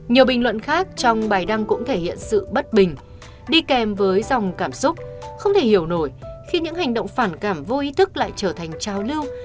nhiều bình luận khác trong bài đăng cũng thể hiện sự bất bình đi kèm với dòng cảm xúc không thể hiểu nổi khi những hành động phản cảm vô ý thức lại trở thành trao lưu